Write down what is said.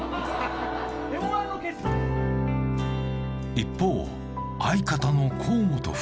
一方、相方の河本太。